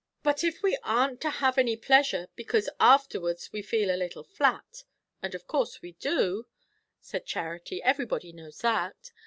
"But if we aren't to have any pleasure, because afterwards we feel a little flat, and of course we do," said Charity; "everybody knows that.